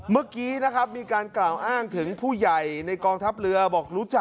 เมื่อกี้นะครับ